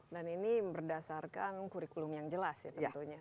dan ini berdasarkan kurikulum yang jelas ya tentunya